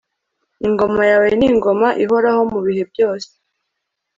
ingoma yawe ni ingoma ihoraho mu bihe byose